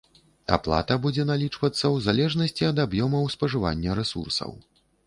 Аплата будзе налічвацца ў залежнасці ад аб'ёмаў спажывання рэсурсаў.